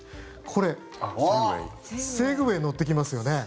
これ、セグウェイ乗ってきますよね。